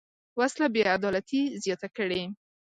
وسله بېعدالتي زیاته کړې